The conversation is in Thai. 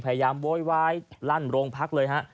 พยายามโว้ยวายลั่นโรงพักเลยฮะ